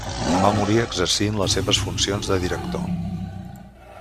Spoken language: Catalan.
Va morir exercint les seves funcions de director.